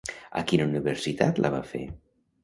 A quina universitat la va fer?